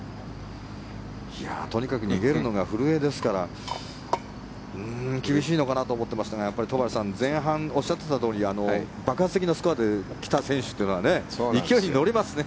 とにかく逃げるのが古江ですから厳しいのかなと思ってましたが戸張さん、前半おっしゃっていたとおり爆発的なスコアで来た選手というのは勢いに乗りますね。